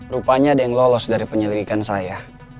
rupanya ada yang lolos dari penyelidikan saya